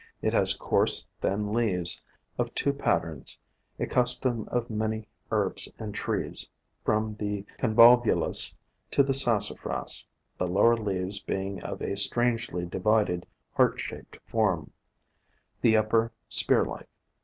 It has coarse, thin leaves of twc patterns — a custom of many herbs and trees, from the Convolvulus to the Sassafras — the lower leaves being of a strangely divided heart shaped form, the upper spear like.